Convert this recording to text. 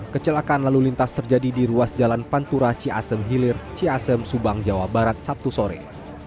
kecelakaan lalu lintas terjadi di ruas jalan pantura ciasem hilir ciasem subang jawa barat sabtu sore